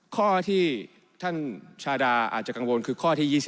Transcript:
ข้อที่ท่านชาดาอาจจะกังวลคือข้อที่๒๐